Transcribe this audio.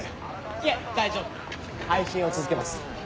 いえ大丈夫配信を続けます。